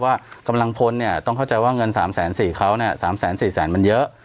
ว่ากำลังพลเนี่ยต้องเข้าใจว่าเงิน๓๔๐๐เขาเนี่ย๓๔๐๐๐มันเยอะ